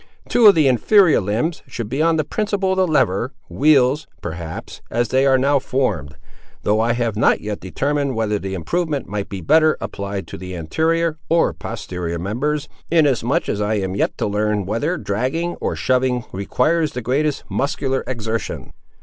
Two of the inferior limbs should be on the principle of the lever; wheels, perhaps, as they are now formed; though I have not yet determined whether the improvement might be better applied to the anterior or posterior members, inasmuch as I am yet to learn whether dragging or shoving requires the greatest muscular exertion.